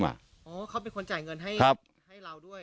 อ๋อเขาเป็นคนจ่ายเงินให้เราด้วย